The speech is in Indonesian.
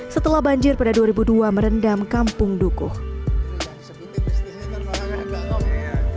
setelah banjir pada dua ribu dua merendam kampung dukuh